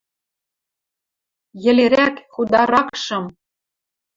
Йӹлерӓк, хударакшым...